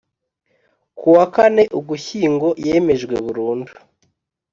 kuwa kane Ugushyingo yemejwe burundu